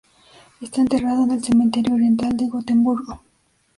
Está enterrado en el cementerio oriental de Gotemburgo.